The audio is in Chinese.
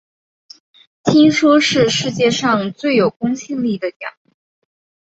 听说是世界上最有公信力的奖